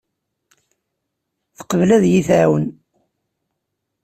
Teqbel ad iyi-tɛawen.